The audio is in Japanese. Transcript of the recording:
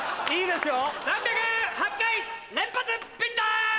いいですよ。